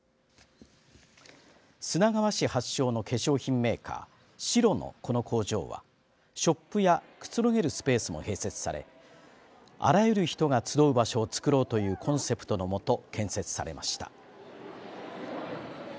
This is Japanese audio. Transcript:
砂川市発祥の化粧品メーカーシロのこの工場はショップやくつろげるスペースも併設されあらゆる人が集う場所を作ろうというコンセプトのもと建設されました。